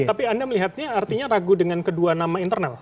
tapi anda melihatnya artinya ragu dengan kedua nama internal